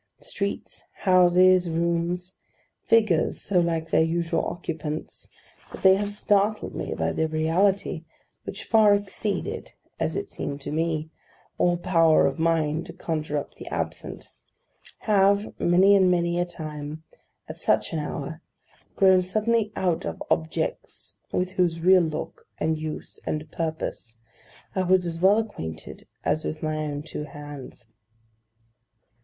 Streets, houses, rooms; figures so like their usual occupants, that they have startled me by their reality, which far exceeded, as it seemed to me, all power of mine to conjure up the absent; have, many and many a time, at such an hour, grown suddenly out of objects with whose real look, and use, and purpose, I was as well acquainted as with my own two hands.